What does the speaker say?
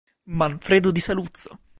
Manfredo di Saluzzo